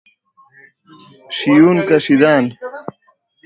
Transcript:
شیون کشیدن